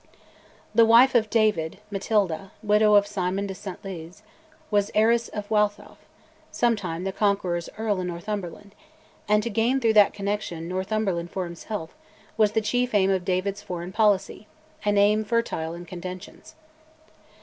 The wife of David, Matilda, widow of Simon de St Liz, was heiress of Waltheof, sometime the Conqueror's Earl in Northumberland; and to gain, through that connection, Northumberland for himself was the chief aim of David's foreign policy, an aim fertile in contentions.